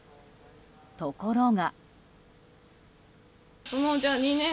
ところが。